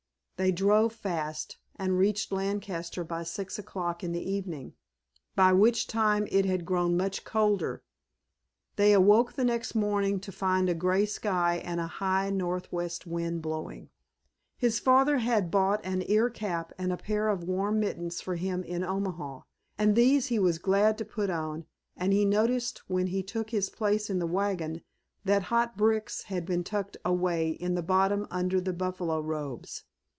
They drove fast, and reached Lancaster by about six o'clock in the evening, by which time it had grown much colder. They awoke the next morning to find a grey sky and a high northwest wind blowing. His father had bought an ear cap and a pair of warm mittens for him in Omaha, and these he was glad to put on, and he noticed when he took his place in the wagon that hot bricks had been tucked away in the bottom under the buffalo robes.